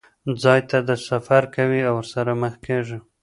ځای ته سفر کوي، ورسره مخ کېږي.